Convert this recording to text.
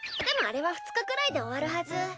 でもあれは２日くらいで終わるはず。